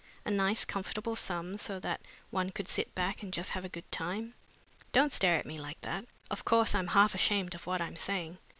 a nice comfortable sum so that one could sit back and just have a good time. Don't stare at me like that. Of course, I'm half ashamed of what I'm saying.